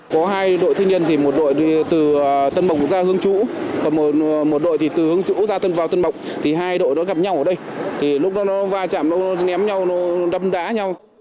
có hai đội thiên nhiên một đội từ tân bộng ra hương chủ một đội từ hương chủ ra tân vào tân bộng hai đội gặp nhau ở đây lúc đó nó va chạm nó ném nhau nó đâm đá nhau